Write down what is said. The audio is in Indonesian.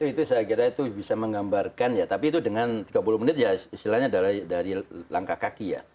itu saya kira itu bisa menggambarkan ya tapi itu dengan tiga puluh menit ya istilahnya adalah dari langkah kaki ya